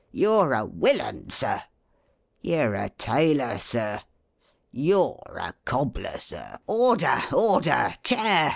"You 're a willain. Sir!" "You 're a tailor. Sir!" "You 're a cobler, Sir!" (Order! order I chair!